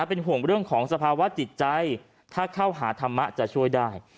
เป็นห่วงเรื่องของสภาวะจิตใจถ้าเข้าหาธรรมะจะช่วยได้